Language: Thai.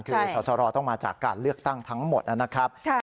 คือสอสรต้องมาจากการเลือกตั้งทั้งหมดนะครับ